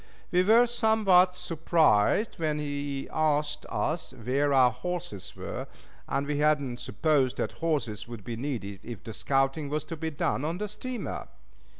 We were somewhat surprised when he asked us where our horses were, as we had not supposed that horses would be needed if the scouting was to be done on the steamer.